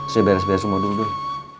saya beres beres semua dulu